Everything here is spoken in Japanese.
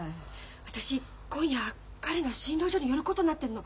私今夜彼の診療所に寄ることになってんの。